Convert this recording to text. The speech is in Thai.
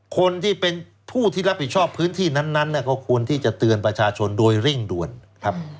คนที่เป็นผู้ที่รับผิดชอบพื้นที่นั้นก็ควรที่จะเตือนประชาชนโดยเร่งด่วนครับ